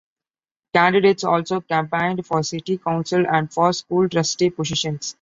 Candidates also campaigned for city council and for school trustee positions.